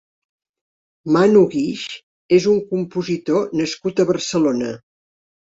Manu Guix és un compositor nascut a Barcelona.